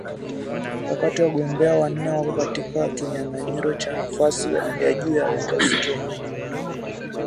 Wakati wagombea wanne wako katika kinyang’anyiro cha nafasi ya juu ya uongozi Kenya,